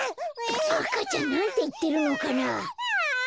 赤ちゃんなんていってるのかな？